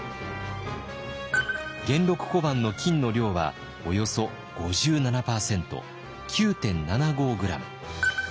元禄小判の金の量はおよそ５７％９．７５ｇ。